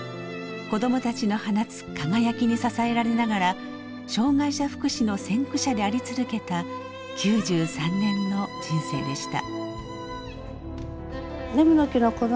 子どもたちの放つ輝きに支えられながら障害者福祉の先駆者であり続けた９３年の人生でした。